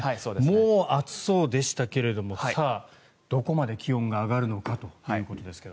もう暑そうでしたけどもさあ、どこまで気温が上がるのかということですが。